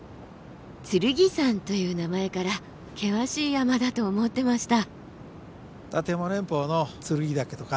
「剣山」という名前から険しい山だと思ってました。